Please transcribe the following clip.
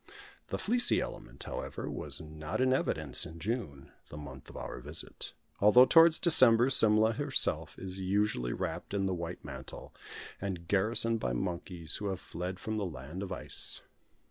The fleecy element, however, was not in evidence in June, the month of our visit, although towards December Simla herself is usually wrapt in the white mantle, and garrisoned by monkeys, who have fled from the land of ice.